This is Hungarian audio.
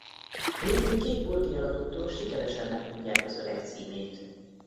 Végül két bolti eladótól sikeresen megtudják az öreg címét.